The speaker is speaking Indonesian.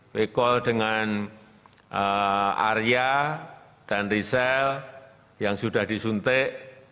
we call dengan area dan resel yang sudah disuntik